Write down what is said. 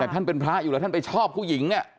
แต่ท่านเป็นพระอยู่แล้วท่านไปชอบผู้หญิง